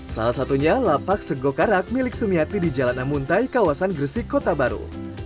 salah satunya lapak sego karak milik sumiati di jalan amuntai kawasan gresik kota baru